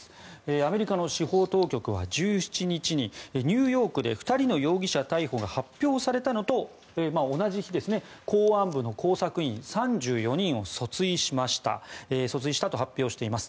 アメリカの司法当局は１７日にニューヨークで２人の容疑者逮捕が発表されたのと同じ日公安部の工作員３４人を訴追したと発表しています。